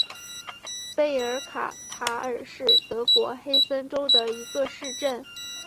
贝尔卡塔尔是德国黑森州的一个市镇。